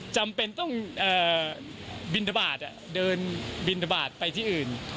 จำเป็นต้องบินทบาทเดินบินทบาทไปที่อื่น